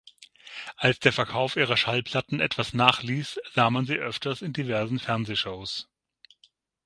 Als der Verkauf ihrer Schallplatten etwas nachließ, sah man sie öfters in diversen Fernsehshows.